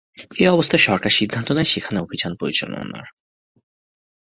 এ অবস্থায় সরকার সিদ্ধান্ত নেয় সেখানে অভিযান পরিচালনার।